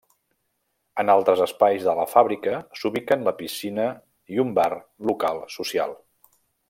En altres espais de la fàbrica s'ubiquen la piscina i un bar local social.